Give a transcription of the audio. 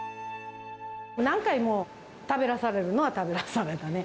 何回も食べさせられるのは食べらされたね。